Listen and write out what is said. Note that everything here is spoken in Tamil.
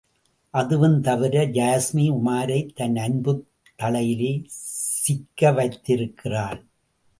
அதுவும் தவிர, யாஸ்மி உமாரைத் தன் அன்புத் தளையிலே சிக்க வைத்திருக்கிறாள்.